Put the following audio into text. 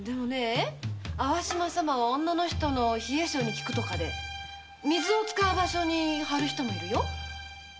淡島様は女の人の冷え性に効くとかで水を使う場所にはる人もいるよ。